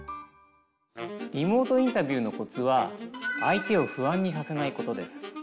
リモートインタビューのコツは相手を不安にさせないことです。